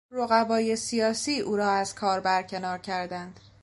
رقبای سیاسی او را از کار برکنار کردند.